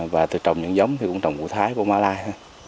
và tôi trồng những giống thì cũng trồng của thái của mã lai